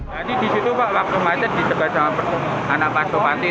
jadi disitu pak waktu mati di sebatang anak pasok mati